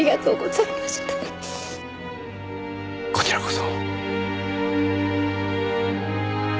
こちらこそ。